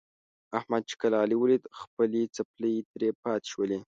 احمد چې کله علي ولید خپلې څپلۍ ترې پاتې شولې.